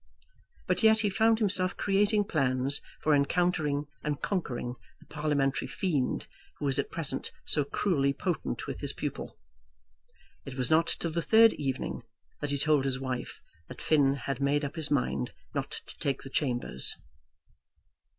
But yet he found himself creating plans for encountering and conquering the parliamentary fiend who was at present so cruelly potent with his pupil. It was not till the third evening that he told his wife that Finn had made up his mind not to take chambers.